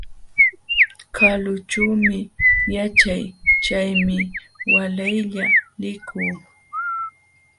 Kalućhuumi yaćhaa, chaymi waalaylla likuu.